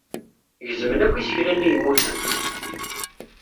Gezmen akk isekla-nni yemmuten.